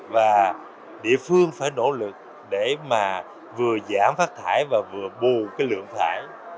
và địa phương phải nỗ lực để mà vừa giảm phát thải và vừa bù cái lượng thải